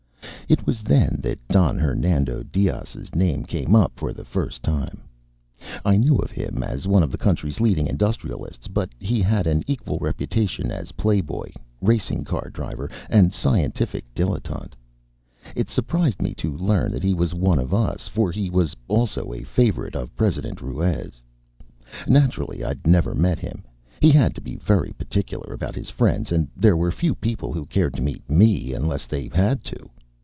It was then that Don Hernando Dias' name came up fo* the first time. I knew of him as one of the country's leading industrialists, but he had an equal reputation as play boy, racing car driver and scien tific dilettante. It surprised me to learn that he was one of us, for he was also a favorite of President Ruiz. Naturally Yd never met him; he had to be very particular about his friends, and there were few people who cared to meet me unless they had to.